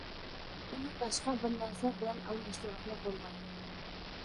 ئۇنى باشقا بىر نەرسە بىلەن ئالماشتۇرغىلى بولمايدۇ.